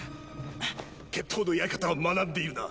決闘のやり方は学んでいるな？